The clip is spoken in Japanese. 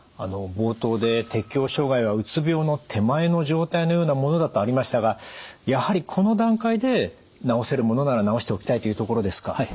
冒頭で適応障害はうつ病の手前の状態のようなものだとありましたがやはりこの段階で治せるものなら治しておきたいというところですか？